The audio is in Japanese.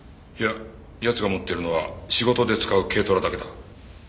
いや奴が持ってるのは仕事で使う軽トラだけだ。